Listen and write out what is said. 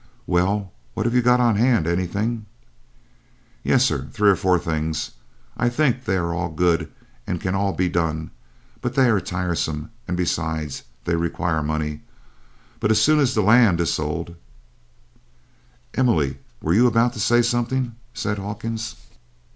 "Well, what have you got on hand anything?" "Yes, sir, three or four things. I think they are all good and can all be done, but they are tiresome, and besides they require money. But as soon as the land is sold " "Emily, were you about to say something?" said Hawkins.